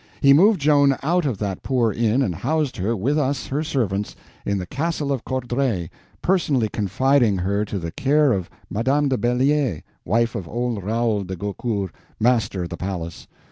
He moved Joan out of that poor inn, and housed her, with us her servants, in the Castle of Courdray, personally confiding her to the care of Madame de Bellier, wife of old Raoul de Gaucourt, Master of the Palace.